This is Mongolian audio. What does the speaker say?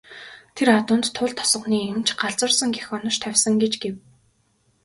Тэр адуунд Туул тосгоны эмч "галзуурсан" гэх онош тавьсан гэж гэв.